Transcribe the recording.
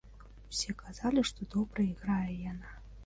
Усе казалі, што добра іграе яна.